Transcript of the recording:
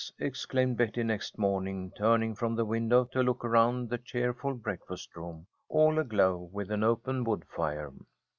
exclaimed Betty next morning, turning from the window to look around the cheerful breakfast room, all aglow with an open wood fire.